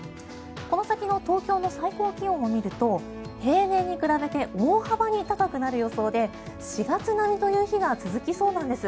この先の東京の最高気温を見ると平年に比べて大幅に高くなる予想で４月並みという日が続きそうなんです。